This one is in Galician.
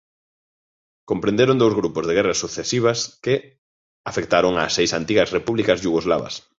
Comprenderon dous grupos de guerras sucesivas que afectaron ás seis antigas repúblicas iugoslavas.